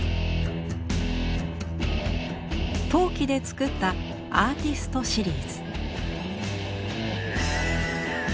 陶器で作った「アーティスト」シリーズ。